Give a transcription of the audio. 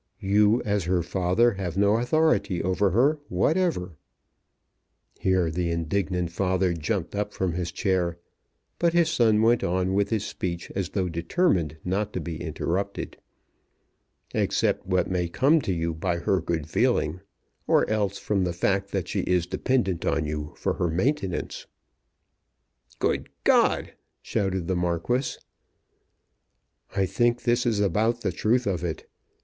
You as her father have no authority over her whatever;" here the indignant father jumped up from his chair; but his son went on with his speech, as though determined not to be interrupted, "except what may come to you by her good feeling, or else from the fact that she is dependent on you for her maintenance." "Good G !" shouted the Marquis. "I think this is about the truth of it.